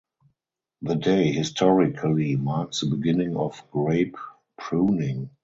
The day historically marks the beginning of grape pruning.